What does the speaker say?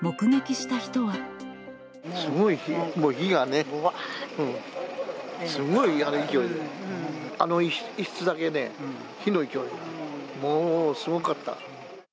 すごい火、火がね、わーって、すんごい勢いで、あの一室だけね、火の勢いがもう、すごかった。